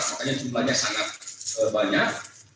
makanya jumlahnya sangat banyak